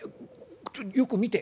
よく見て。